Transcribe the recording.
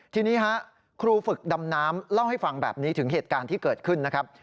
ทีนี้ฮะครูฝึกดำน้ำเล่าให้ฟังแบบนี้ถึงเหตุการณ์ที่เกิดขึ้นนะครับ